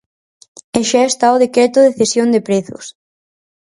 E xa está o Decreto de cesión de prezos.